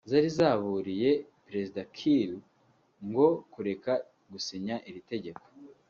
zari zaburiye Perezida Kiir ngo kureka gusinya iri tegeko